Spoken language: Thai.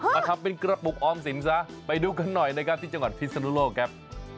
มาทำเป็นกระปุกออมสินซะไปดูกันหน่อยนะครับที่จังหวัดพิศนุโลกครับ